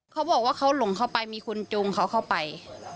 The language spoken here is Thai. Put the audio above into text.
เขาบอกว่าเขาหลงเข้าไปมีคนจูงเขาเข้าไป